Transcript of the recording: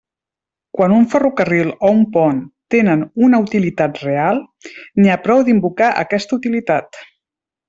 Quan un ferrocarril o un pont tenen una utilitat real, n'hi ha prou d'invocar aquesta utilitat.